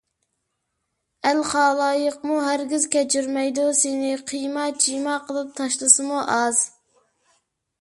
ئەل - خالايىقمۇ ھەرگىز كەچۈرمەيدۇ! سېنى قىيما - چىيما قىلىپ تاشلىسىمۇ ئاز!